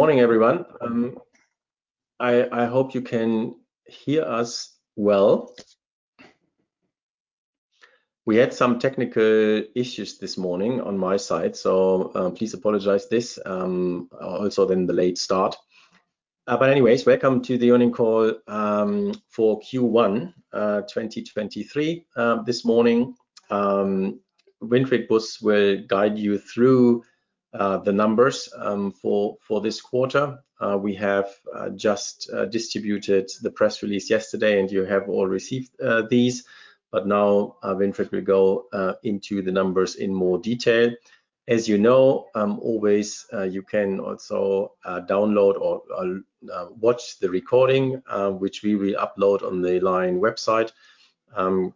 Morning, everyone. I hope you can hear us well. We had some technical issues this morning on my side, so please apologize this, also the late start. Anyways, welcome to the earning call for Q1 2023. This morning, Winfried Buss will guide you through the numbers for this quarter. We have just distributed the press release yesterday, you have all received these. Now, Winfried will go into the numbers in more detail. As you know, always, you can also download or watch the recording, which we will upload on the LION website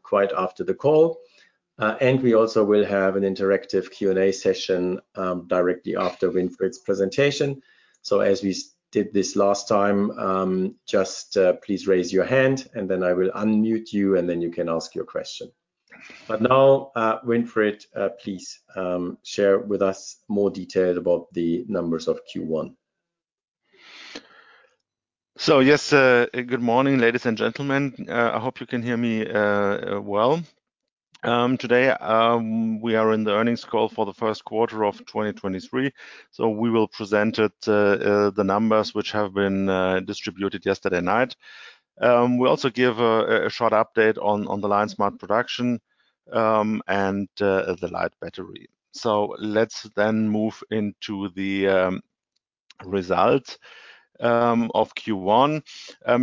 quite after the call. We also will have an interactive Q&A session directly after Winfried's presentation. As we did this last time, just please raise your hand, and then I will unmute you, and then you can ask your question. Now, Winfried, please share with us more detail about the numbers of Q1. Yes, good morning, ladies and gentlemen. I hope you can hear me well. Today, we are in the earnings call for the first quarter of 2023. We will present the numbers which have been distributed yesterday night. We'll also give a short update on the LION Smart Production and the LIGHT Battery. Let's then move into the results of Q1.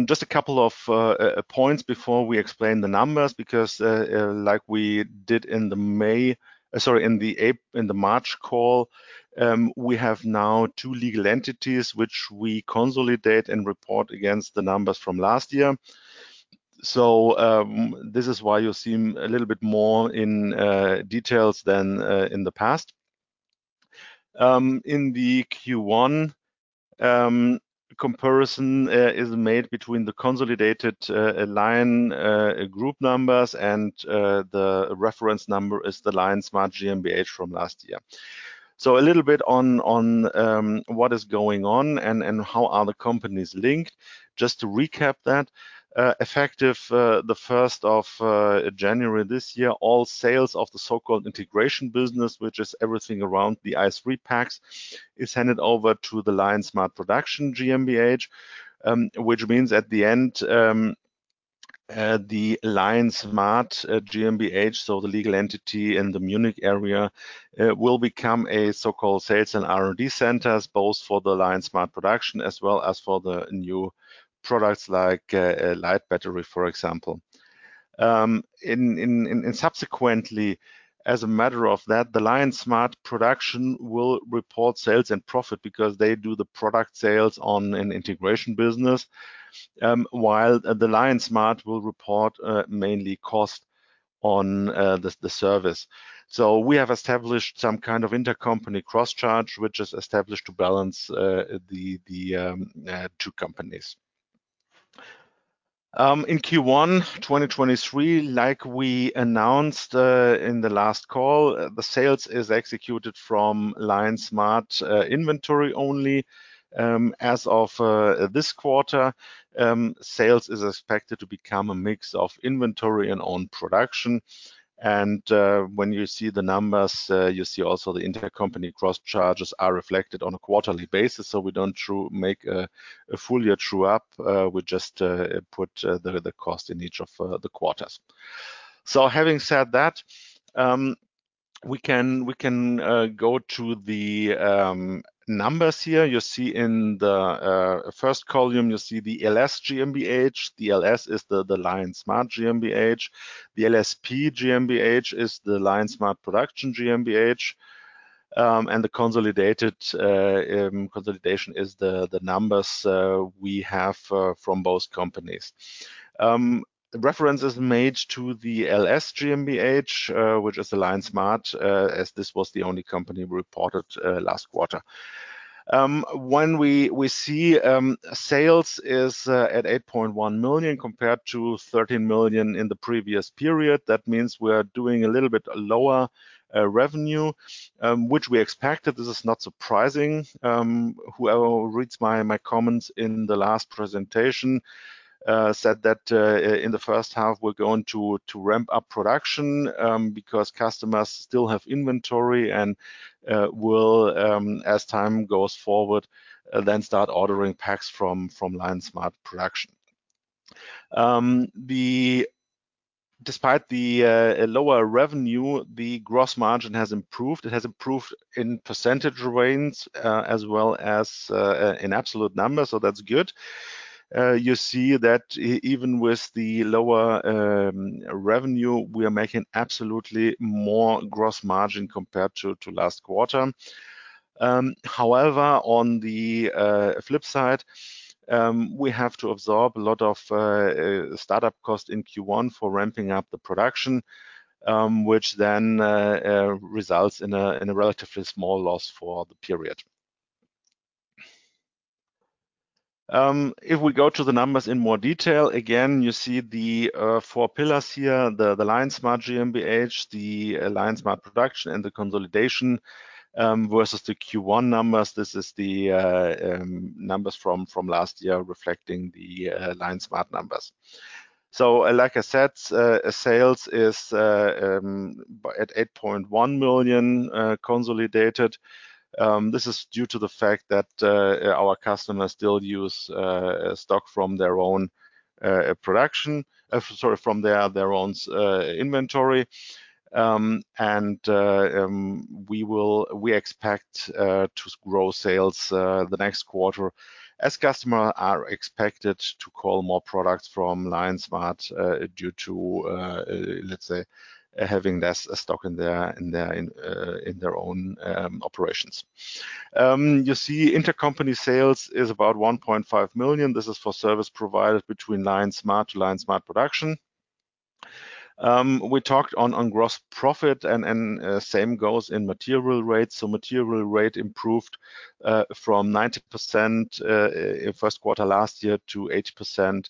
Just a couple of points before we explain the numbers because, like we did in the March call, we have now two legal entities which we consolidate and report against the numbers from last year. This is why you seem a little bit more in details than in the past. In the Q1 comparison is made between the consolidated LION group numbers and the reference number is the LION Smart GmbH from last year. A little bit on what is going on and how are the companies linked. Just to recap that effective the first of January this year, all sales of the so-called integration business, which is everything around the i3 battery packs, is handed over to the LION Smart Production GmbH, which means at the end the LION Smart GmbH, so the legal entity in the Munich area, will become a so-called sales and R&D centers, both for the LION Smart Production as well as for the new products like LIGHT Battery, for example. Subsequently, as a matter of that, the LION Smart Production will report sales and profit because they do the product sales on an integration business, while the LION Smart will report mainly cost on the service. We have established some kind of intercompany cross-charge, which is established to balance two companies. In Q1 2023, like we announced in the last call, the sales is executed from LION Smart inventory only. As of this quarter, sales is expected to become a mix of inventory and own production. When you see the numbers, you see also the intercompany cross charges are reflected on a quarterly basis. We don't make a full-year true-up. We just put the cost in each of the quarters. Having said that, we can go to the numbers here. You see in the first column, you see the LS GmbH. The LS is the LION Smart GmbH. The LSP GmbH is the LION Smart Production GmbH. The consolidated consolidation is the numbers we have from both companies. The reference is made to the LS GmbH, which is the LION Smart, as this was the only company reported last quarter. When we see sales is at 8.1 million compared to 13 million in the previous period, that means we're doing a little bit lower revenue, which we expected. This is not surprising. Whoever reads my comments in the last presentation, said that, in the first half, we're going to ramp up production, because customers still have inventory and will, as time goes forward, then start ordering packs from LION Smart Production. Despite the lower revenue, the gross margin has improved. It has improved in percentage range, as well as in absolute numbers. That's good. You see that even with the lower revenue, we are making absolutely more gross margin compared to last quarter. However, on the flip side, we have to absorb a lot of startup cost in Q1 for ramping up the production, which then results in a relatively small loss for the period. If we go to the numbers in more detail, again, you see the four pillars here, the LION Smart GmbH, the LION Smart Production, and the consolidation, versus the Q1 numbers. This is the numbers from last year reflecting the LION Smart numbers. Like I said, sales is at 8.1 million consolidated. This is due to the fact that our customers still use stock from their own production. Sorry, from their own inventory. We expect to grow sales the next quarter as customer are expected to call more products from LION Smart due to, let's say, having less stock in their, in their, in their own operations. You see intercompany sales is about 1.5 million. This is for service providers between LION Smart to LION Smart Production. We talked on gross profit and same goes in material rates. Material rate improved from 90% in first quarter last year to 80%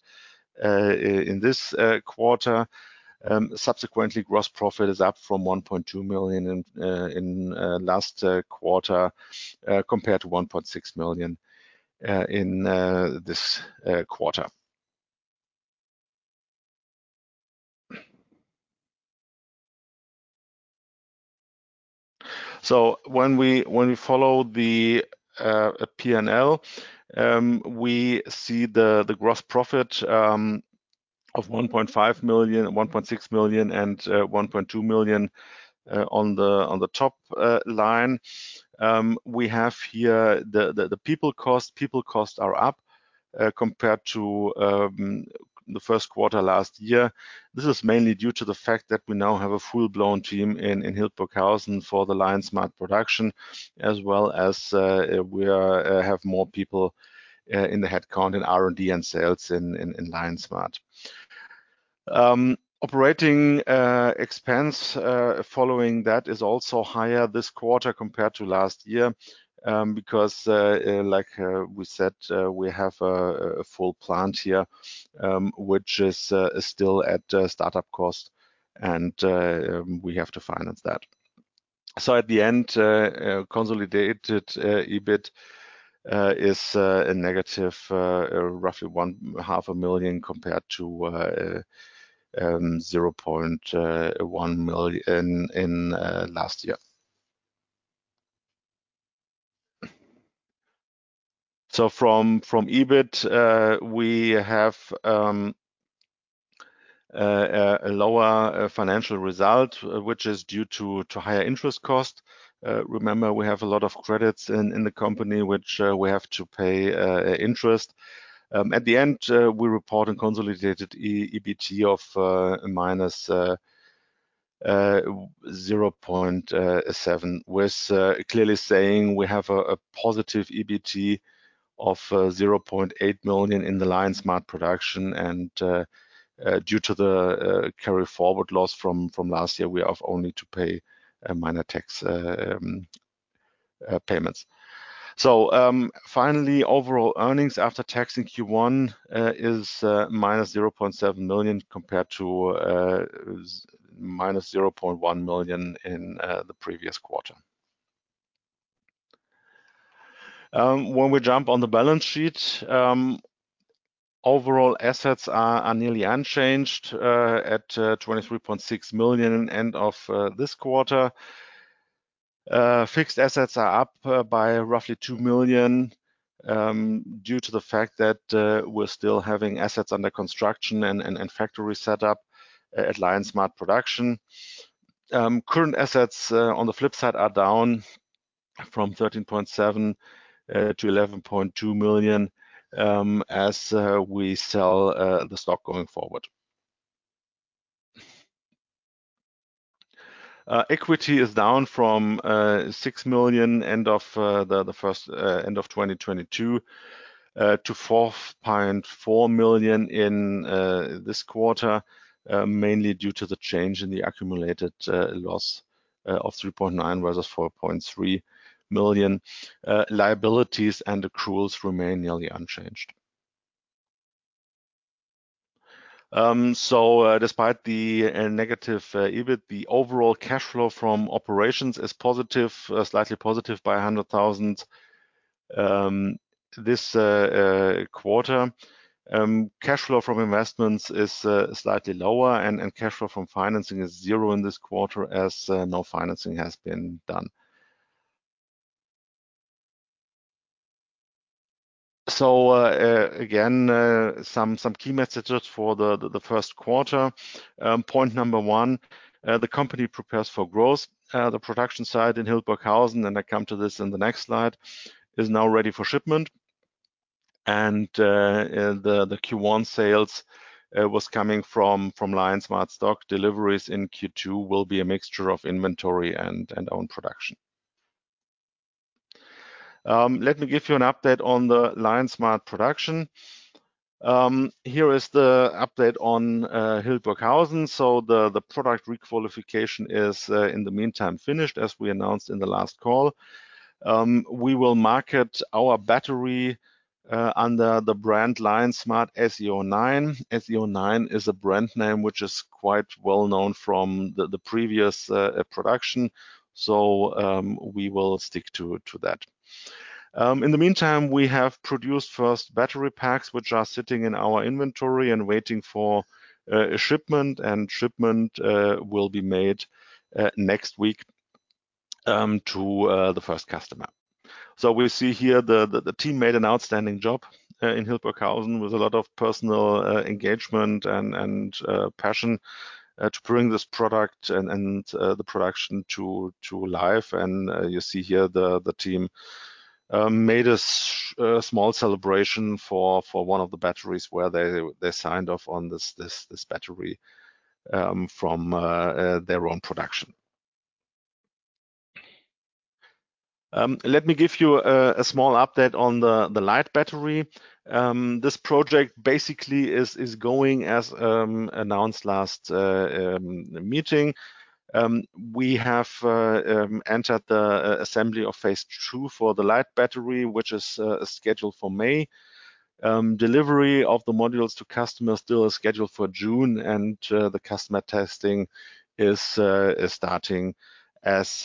in this quarter. Subsequently, gross profit is up from 1.2 million in last quarter compared to EUR 1.6 million in this quarter. When we follow the P&L, we see the gross profit of 1.5 million, 1.6 million and 1.2 million on the top line. We have here the people cost. People cost are up compared to the first quarter last year. This is mainly due to the fact that we now have a full-blown team in Hildburghausen for the LION Smart Production, as well as we are have more people in the headcount in R&D and sales in LION Smart. Um, operating, uh, expense, uh, following that is also higher this quarter compared to last year, um, because, uh, like, uh, we said, uh, we have a, a full plant here, um, which is, uh, is still at the startup cost, and, uh, um, we have to finance that. So at the end, uh, consolidated, uh, EBIT, uh, is, uh, a negative, uh, roughly one half a million compared to, uh, um, zero point, uh, one million in, in, uh, last year. So from, from EBIT, uh, we have, um, uh, a lower financial result, which is due to, to higher interest costs. Uh, remember, we have a lot of credits in, in the company, which, uh, we have to pay, uh, interest. ort a consolidated EBT of -0.7 million, with clearly saying we have a positive EBT of 0.8 million in the LION Smart Production. Due to the carry-forward loss from last year, we have only to pay minor tax payments. Finally, overall earnings after tax in Q1 is -0.7 million compared to -0.1 million in the previous quarter. When we jump on the balance sheet, overall assets are nearly unchanged at 23.6 million end of this quarter Fixed assets are up by roughly 2 million due to the fact that we're still having assets under construction and factory setup at LION Smart Production. Current assets on the flip side are down from 13.7 million to 11.2 million as we sell the stock going forward. Equity is down from 6 million end of the first-end of 2022 to 4.4 million in this quarter, mainly due to the change in the accumulated loss of 3.9 million versus 4.3 million. Liabilities and accruals remain nearly unchanged. Despite the negative EBIT, the overall cash flow from operations is positive, slightly positive by 100,000 this quarter. Cash flow from investments is slightly lower and cash flow from financing is zero in this quarter as no financing has been done. Again, some key messages for the first quarter. Point number one, the company prepares for growth. The production site in Hildburghausen, and I come to this in the next slide, is now ready for shipment. Q1 sales was coming from LION Smart stock. Deliveries in Q2 will be a mixture of inventory and own production. Let me give you an update on the LION Smart Production. Here is the update on Hildburghausen. The product re-qualification is in the meantime finished, as we announced in the last call. We will market our battery under the brand LION Smart SE09. SE09 is a brand name which is quite well known from the previous production. We will stick to that. In the meantime, we have produced first battery packs which are sitting in our inventory and waiting for a shipment. Shipment will be made next week to the first customer. We see here the team made an outstanding job in Hildburghausen with a lot of personal engagement and passion to bring this product and the production to life. You see here the team made us a small celebration for one of the batteries where they signed off on this battery from their own production. Let me give you a small update on the LIGHT Battery. This project basically is going as announced last meeting. We have entered the assembly of phase II for the LIGHT Battery, which is scheduled for May. The delivery of the modules to customers still is scheduled for June, the customer testing is starting as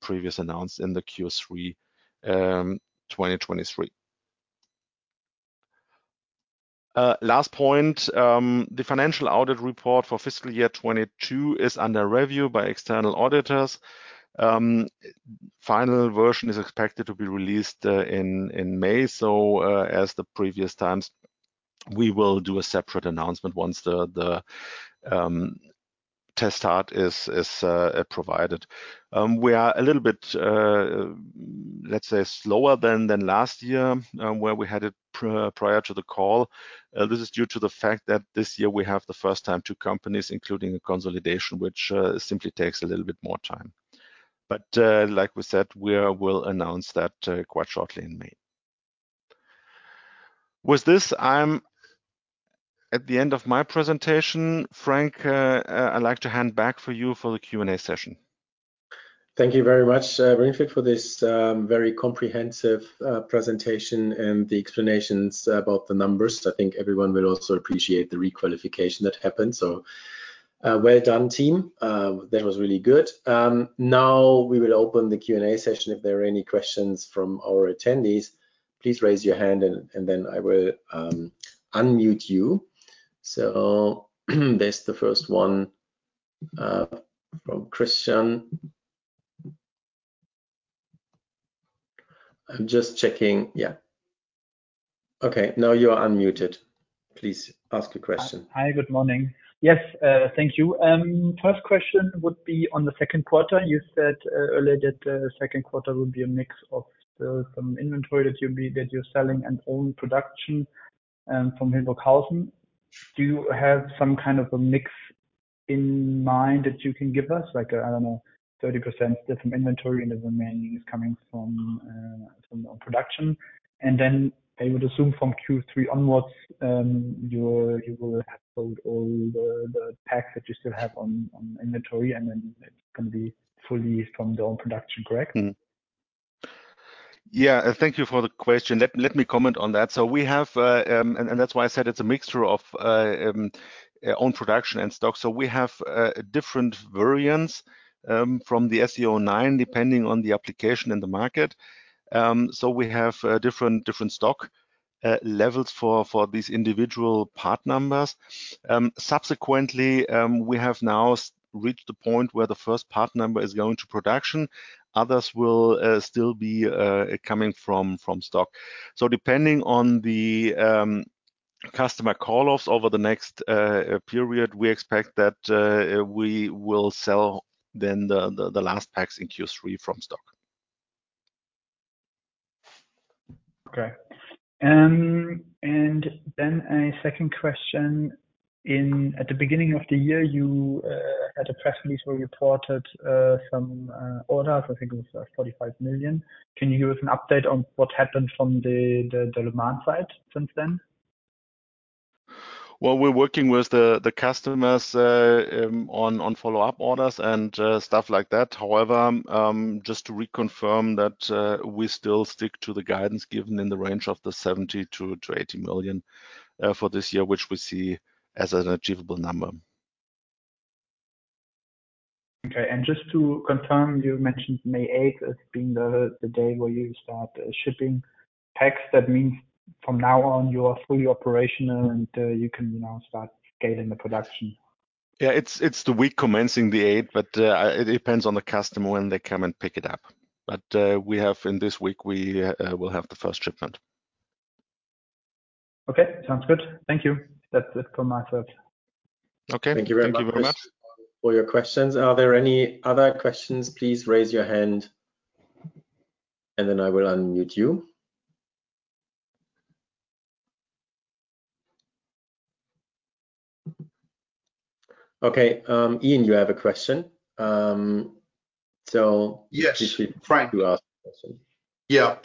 previous announced in the Q3 2023. Last point, the financial audit report for fiscal year 2022 is under review by external auditors. Final version is expected to be released in May, as the previous times, we will do a separate announcement once the test start is provided. We are a little bit, let's say, slower than last year, where we had it prior to the call. This is due to the fact that this year we have the first time two companies, including a consolidation, which simply takes a little bit more time. Like we said, we will announce that quite shortly in May. With this, I'm at the end of my presentation. Frank, I'd like to hand back for you for the Q&A session. Thank you very much, Winfried, for this very comprehensive presentation and the explanations about the numbers. I think everyone will also appreciate the re-qualification that happened. Well done, team. That was really good. Now we will open the Q&A session. If there are any questions from our attendees, please raise your hand and then I will unmute you. There's the first one from Christian. I'm just checking. Yeah. Okay, now you are unmuted. Please ask your question. Hi. Good morning. Yes, thank you. First question would be on the second quarter. You said earlier that second quarter will be a mix of some inventory that you're selling and own production from Hildburghausen. Do you have some kind of a mix in mind that you can give us? Like, I don't know, 30% different inventory and the remaining is coming from production. I would assume from Q3 onwards, you will have sold all the packs that you still have on inventory, and then it can be fully from their own production, correct? Yeah. Thank you for the question. Let me comment on that. We have and that's why I said it's a mixture of own production and stock. We have different variants from the SE09, depending on the application in the market. We have different stock levels for these individual part numbers. Subsequently, we have now reached the point where the first part number is going to production. Others will still be coming from stock. Depending on the customer call-offs over the next period, we expect that we will sell then the last packs in Q3 from stock. Okay. A second question. At the beginning of the year, you had a press release where you reported some orders. I think it was 45 million. Can you give us an update on what happened from the demand side since then? Well, we're working with the customers, on follow-up orders and stuff like that. However, just to reconfirm that, we still stick to the guidance given in the range of 70 million-80 million for this year, which we see as an achievable number. Okay. Just to confirm, you mentioned May eighth as being the day where you start shipping packs. That means from now on, you are fully operational and you can now start scaling the production. Yeah. It's the week commencing the eighth, but it depends on the customer when they come and pick it up. In this week, we will have the first shipment. Okay. Sounds good. Thank you. That's it from my side. Okay. Thank you very much. Thank you very much for your questions. Are there any other questions? Please raise your hand, and then I will unmute you. Ian, you have a question. Yes, Frank. please speak. You ask the question.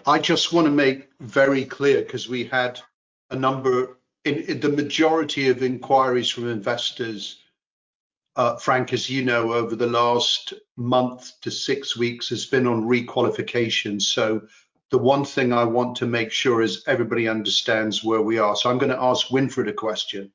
I just wanna make very clear, 'cause we had a number, in the majority of inquiries from investors, Frank, as you know, over the last month to 6 weeks has been on re-qualification. The one thing I want to make sure is everybody understands where we are. I'm gonna ask Winfried a question.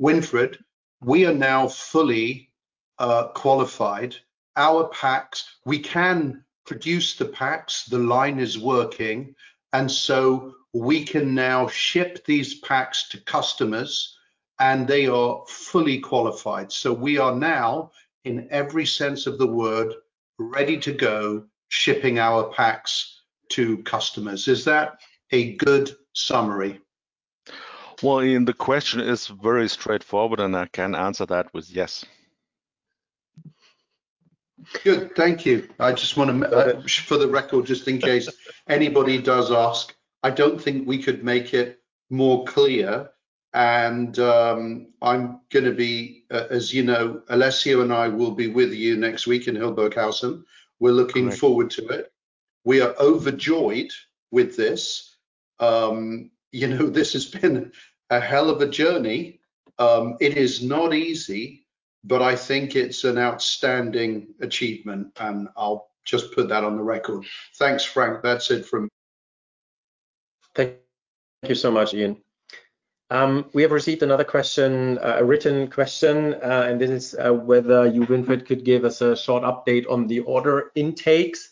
Winfried, we are now fully qualified. Our packs, we can produce the packs, the line is working, and so we can now ship these packs to customers, and they are fully qualified. We are now, in every sense of the word, ready to go shipping our packs to customers. Is that a good summary? Well, Ian, the question is very straightforward, and I can answer that with yes. Good. Thank you. I just wanna for the record, just in case anybody does ask, I don't think we could make it more clear. I'm gonna be as you know, Alessio and I will be with you next week in Hildburghausen. Correct. We're looking forward to it. We are overjoyed with this. you know, this has been a hell of a journey. It is not easy, but I think it's an outstanding achievement, and I'll just put that on the record. Thanks, Frank. That's it from me. Thank you so much, Ian. We have received another question, a written question, and this is whether you, Winfried, could give us a short update on the order intakes.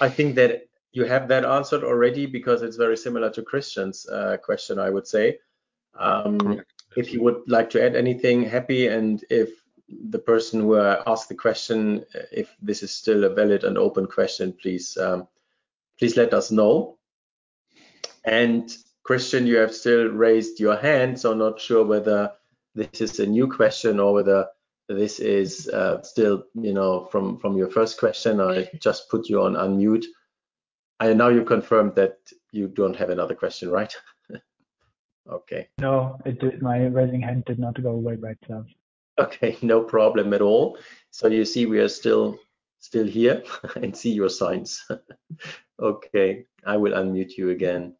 I think that you have that answered already because it's very similar to Christian's question, I would say. Correct... if you would like to add anything, happy, and if the person who asked the question, if this is still a valid and open question, please let us know. Christian, you have still raised your hand, so I'm not sure whether this is a new question or whether this is, still, you know, from your first question. I just put you on unmute. Now you've confirmed that you don't have another question, right? Okay. No, my raising hand did not go away by itself. No problem at all. You see we are still here and see your signs. I will unmute you again.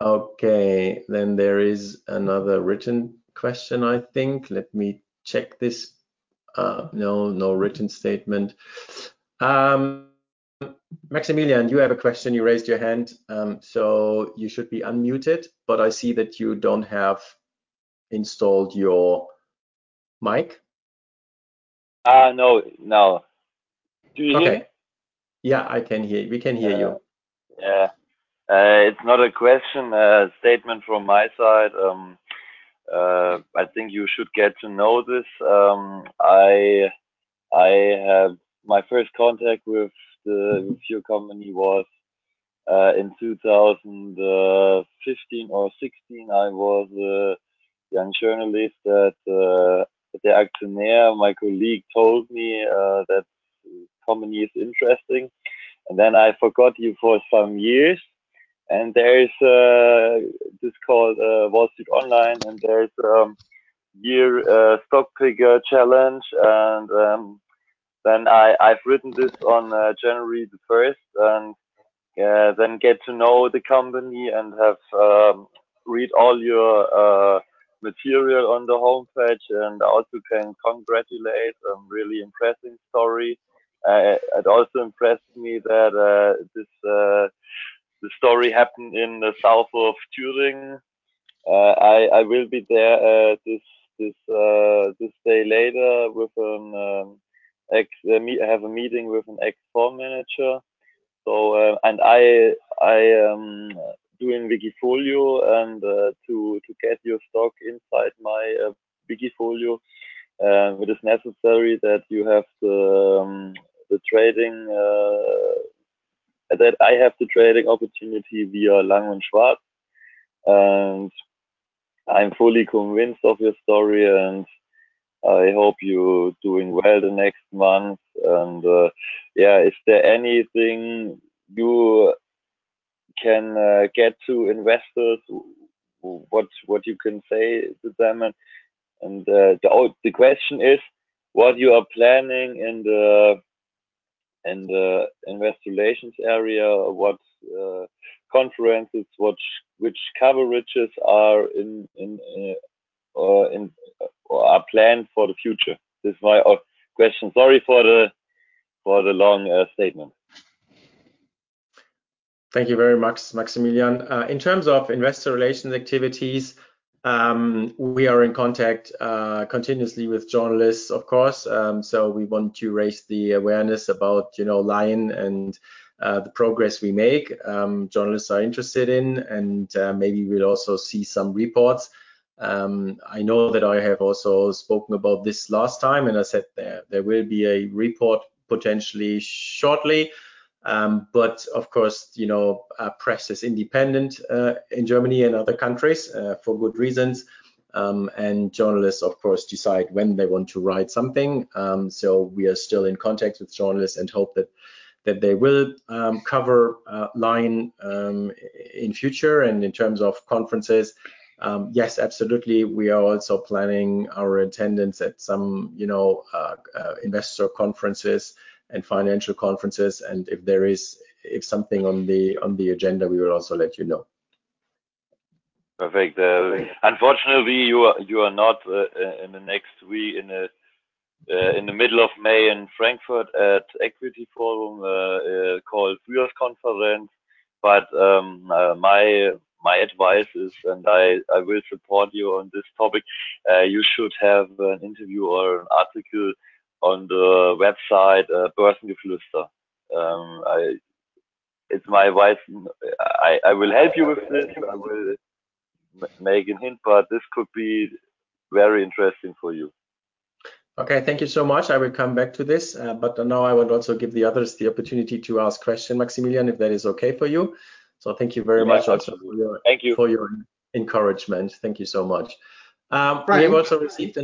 There is another written question, I think. Let me check this. No. No written statement. Maximilian, you have a question. You raised your hand, so you should be unmuted, but I see that you don't have installed your mic. No. No. Do you hear me? Okay. Yeah, I can hear. We can hear you. Yeah. It's not a question, a statement from my side. I think you should get to know this. My first contact with your company was in 2015 or 2016. I was a young journalist at Der Aktionär. My colleague told me that company is interesting. Then I forgot you for some years. This called wallstreet:online. There is a year stock picker challenge. Then I've written this on January the first and then get to know the company and have read all your material on the homepage and also can congratulate some really impressive story. It also impressed me that this story happened in the south of Thuringia. I will be there this day later with Let me have a meeting with an ex-fund manager. I am doing wikifolio and, to get your stock inside my wikifolio, it is necessary that you have the trading, that I have the trading opportunity via Lang & Schwarz. I'm fully convinced of your story, and I hope you doing well the next month. Is there anything you can get to investors? What you can say to them? The question is what you are planning in the, in the investor relations area? What conferences, which coverages are in, or in, or are planned for the future? This is my question. Sorry for the long statement. Thank you very much, Maximilian. In terms of investor relations activities, we are in contact continuously with journalists, of course. We want to raise the awareness about, you know, LION and the progress we make. Journalists are interested in, maybe we'll also see some reports. I know that I have also spoken about this last time, I said there will be a report potentially shortly. Of course, you know, press is independent in Germany and other countries for good reasons. Journalists, of course, decide when they want to write something. We are still in contact with journalists and hope that they will cover LION in future. In terms of conferences, yes, absolutely, we are also planning our attendance at some, you know, investor conferences and financial conferences. If something on the agenda, we will also let you know. Perfect. Unfortunately, you are not in the next week, in the middle of May in Frankfurt at Equity Forum, called viewers conference. My advice is, and I will report you on this topic, you should have an interview or an article on the website, boersengefluester.de. It's my advice. I will help you with this. I will make a hint, but this could be very interesting for you. Okay. Thank you so much. I will come back to this. Now I want to also give the others the opportunity to ask question, Maximilian, if that is okay for you. Thank you very much. Yes, absolutely. Thank you. for your encouragement. Thank you so much. We have also received.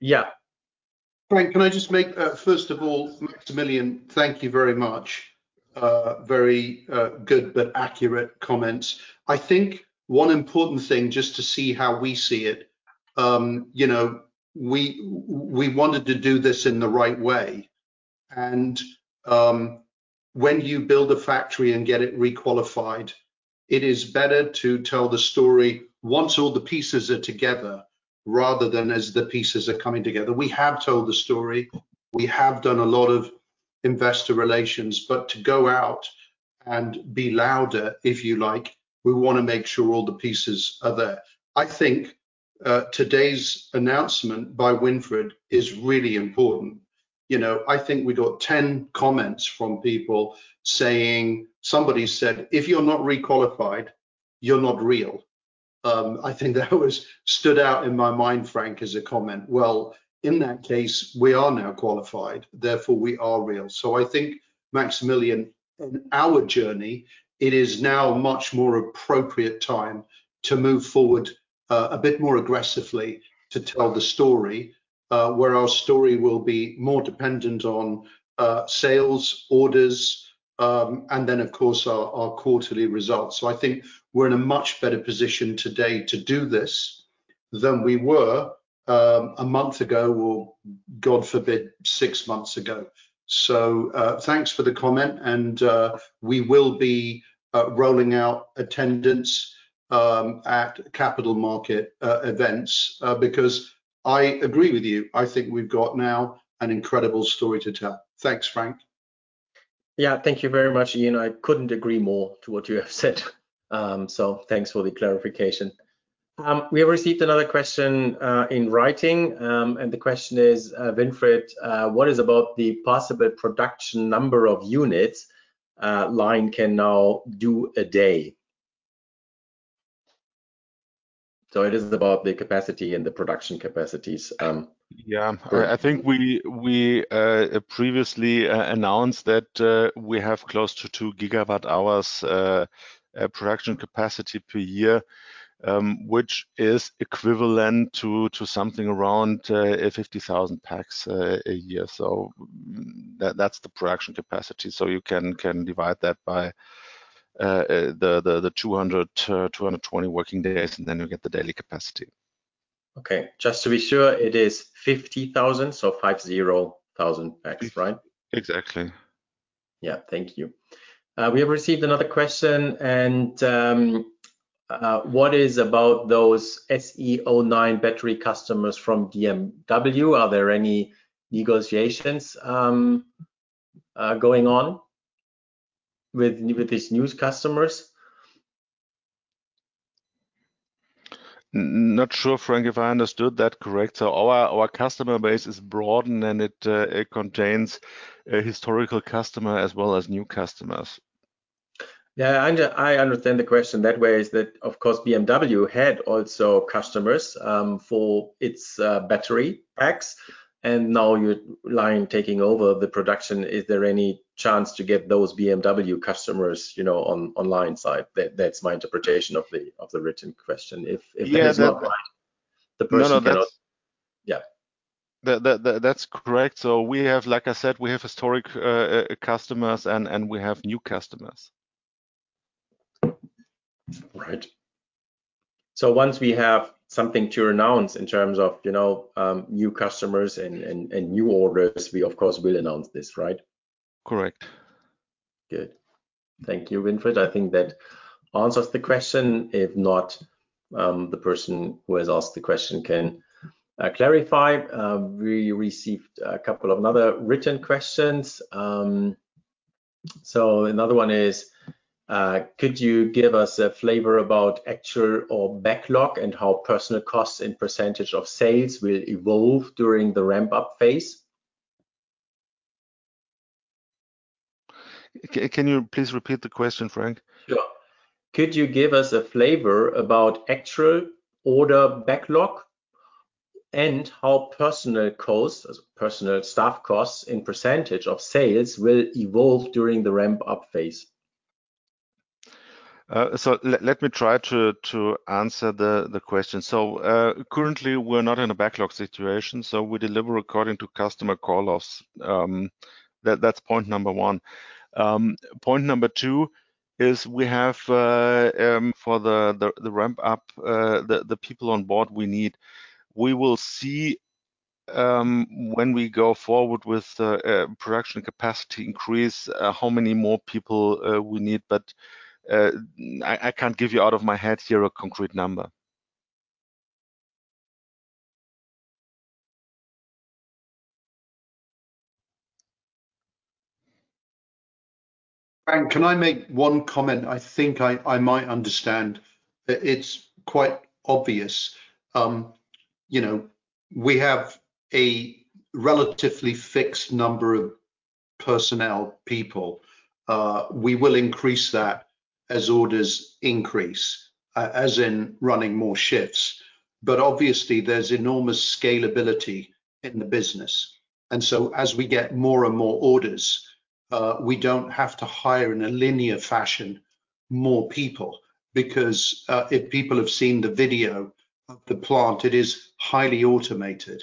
Yeah. Frank, can I just make... First of all, Maximilian, thank you very much. Very good but accurate comments. I think one important thing, just to see how we see it, you know, we wanted to do this in the right way. When you build a factory and get it re-qualified, it is better to tell the story once all the pieces are together, rather than as the pieces are coming together. We have told the story. We have done a lot of investor relations. To go out and be louder, if you like, we wanna make sure all the pieces are there. I think today's announcement by Winfried is really important. You know, I think we got 10 comments from people saying... Somebody said, "If you're not re-qualified, you're not real." I think that was stood out in my mind, Frank, as a comment. In that case, we are now qualified, therefore we are real. I think, Maximilian, in our journey, it is now a much more appropriate time to move forward a bit more aggressively to tell the story where our story will be more dependent on sales orders, and then of course our quarterly results. I think we're in a much better position today to do this than we were a month ago, or God forbid, six months ago. Thanks for the comment and we will be rolling out attendance at capital market events because I agree with you. I think we've got now an incredible story to tell. Thanks, Frank. Yeah. Thank you very much, Ian. I couldn't agree more to what you have said. Thanks for the clarification. We have received another question in writing. The question is, Winfried, what is about the possible production number of units LION can now do a day? It is about the capacity and the production capacities. Yeah. I think we previously announced that we have close to 2 GWh production capacity per year, which is equivalent to something around 50,000 packs a year. That's the production capacity, so you can divide that by the 200 working days-220 working days, and then you'll get the daily capacity. Okay. Just to be sure, it is 50,000, so 50,000 packs, right? Exactly. Yeah. Thank you. We have received another question. What is about those SE09 battery customers from BMW? Are there any negotiations going on with these new customers? Not sure, Frank, if I understood that correct. Our customer base is broadened, and it contains a historical customer as well as new customers. Yeah. I understand the question that way is that, of course, BMW had also customers for its battery packs, and now you're LION taking over the production. Is there any chance to get those BMW customers, you know, on LION side? That's my interpretation of the written question. If that's not right- Yeah. The person. No, no. Yeah. That's correct. We have, like I said, we have historic customers and we have new customers. Right. Once we have something to announce in terms of, you know, new customers and new orders, we of course will announce this, right? Correct. Good. Thank you, Winfried. I think that answers the question. If not, the person who has asked the question can clarify. We received a couple of another written questions. Another one is, could you give us a flavor about actual or backlog and how personal costs and percentage of sales will evolve during the ramp-up phase? Can you please repeat the question, Frank? Sure. Could you give us a flavor about actual order backlog and how personal costs, personal staff costs, and percentage of sales will evolve during the ramp-up phase? Let me try to answer the question. Currently, we're not in a backlog situation, so we deliver according to customer call-offs. That's point number one. Point number two is we have for the ramp up the people on board we need. We will see when we go forward with the production capacity increase, how many more people we need, but I can't give you out of my head here a concrete number. Frank, can I make one comment? I think I might understand. It's quite obvious. You know, we have a relatively fixed number of personnel people. We will increase that as orders increase, as in running more shifts. Obviously there's enormous scalability in the business. As we get more and more orders, we don't have to hire in a linear fashion more people because if people have seen the video of the plant, it is highly automated.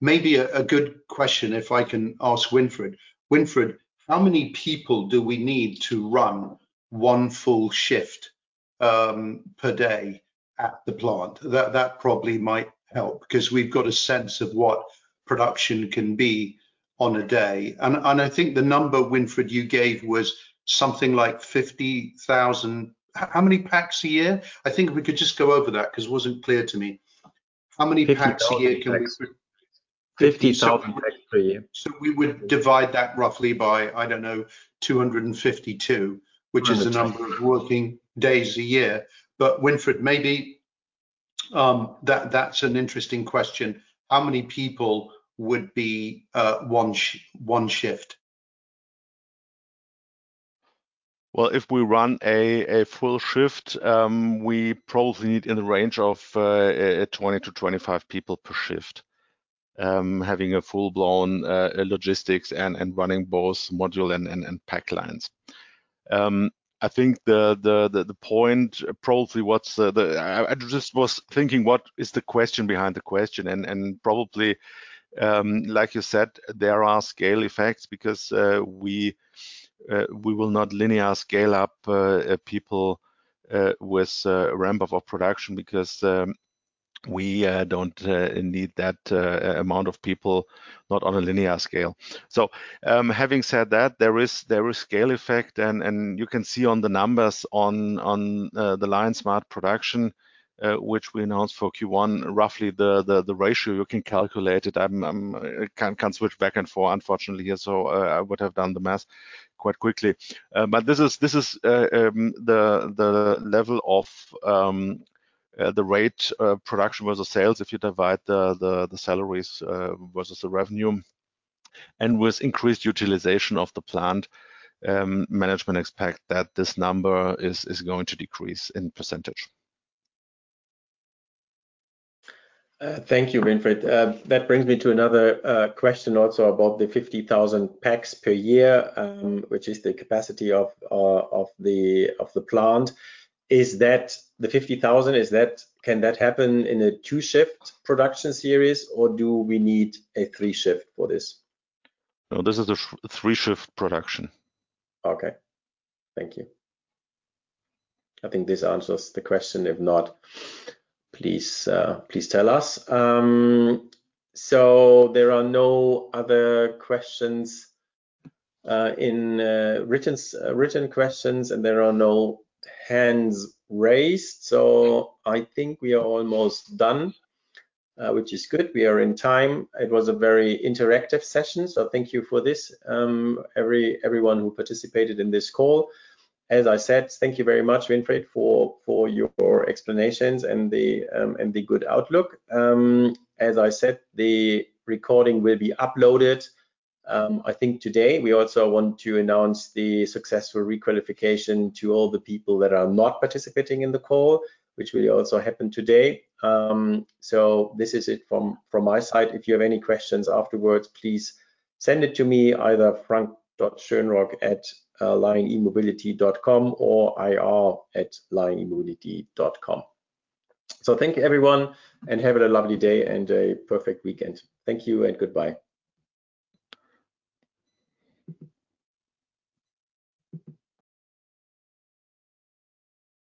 Maybe a good question if I can ask Winfried. Winfried, how many people do we need to run one full shift per day at the plant? That probably might help because we've got a sense of what production can be on a day. I think the number, Winfried, you gave was something like 50,000... How many packs a year? I think if we could just go over that, because it wasn't clear to me. How many packs a year can we? 50,000 packs. 50,000 packs per year. we would divide that roughly by, I don't know, 252. 252. which is the number of working days a year. Winfried, maybe, that's an interesting question. How many people would be, one shift? If we run a full shift, we probably need in the range of 20-25 people per shift, having a full-blown logistics and running both module and pack lines. I think the point probably I just was thinking what is the question behind the question, and probably, like you said, there are scale effects because we will not linear scale up people with a ramp of our production because we don't need that amount of people, not on a linear scale. Having said that, there is scale effect and you can see on the numbers on the LION Smart Production, which we announced for Q1, roughly the ratio, you can calculate it. I'm I can switch back and forth unfortunately here, so I would have done the math quite quickly. This is the level of the rate production versus sales if you divide the salaries versus the revenue. With increased utilization of the plant, management expect that this number is going to decrease in percentage. Thank you, Winfried. That brings me to another question also about the 50,000 packs per year, which is the capacity of the plant. Is that the 50,000, can that happen in a two-shift production series, or do we need a three shift for this? No, this is a three-shift production. Okay. Thank you. I think this answers the question. If not, please tell us. There are no other questions in written questions, and there are no hands raised. I think we are almost done, which is good. We are in time. It was a very interactive session, so thank you for this, everyone who participated in this call. As I said, thank you very much, Winfried, for your explanations and the good outlook. As I said, the recording will be uploaded, I think today. We also want to announce the successful requalification to all the people that are not participating in the call, which will also happen today. This is it from my side. If you have any questions afterwards, please send it to me either frank.schoenrock@lionemobility.com or ir@lionemobility.com. Thank you everyone, and have a lovely day and a perfect weekend. Thank you and goodbye.